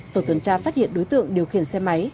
tổ tuần tra phát hiện đối tượng điều khiển xe máy